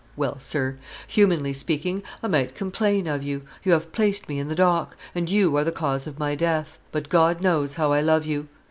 well, sir; humanly speaking, I might complain of you; you have placed me in the dock, and you are the cause of my death; but God knows how I love you.